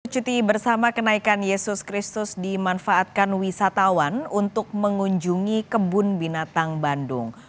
cuti bersama kenaikan yesus kristus dimanfaatkan wisatawan untuk mengunjungi kebun binatang bandung